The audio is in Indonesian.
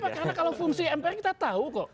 karena kalau fungsi mpr kita tahu kok